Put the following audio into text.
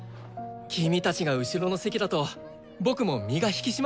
君たちが後ろの席だと僕も身が引き締まるよ。